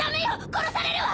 殺されるわ！